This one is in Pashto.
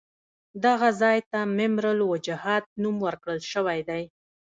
دغه ځای ته ممر الوجحات نوم ورکړل شوی دی.